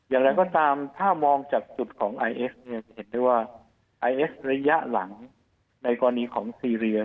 อย่างไรก็ตามถ้ามองจากจุดของไอเอสเนี่ยจะเห็นได้ว่าไอเอสระยะหลังในกรณีของซีเรีย